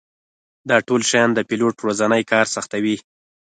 دا ټول شیان د پیلوټ ورځنی کار سختوي